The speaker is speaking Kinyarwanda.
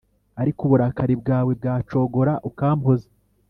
ariko uburakari bwawe bwacogora, ukampoza.